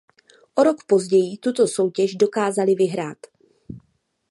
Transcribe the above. O rok později tuto soutěž dokázali vyhrát.